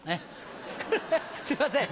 ハハすいません